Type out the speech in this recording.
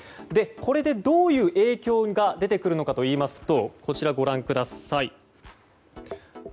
これでどういう影響が出てくるのかといいますとこちら、ご覧ください。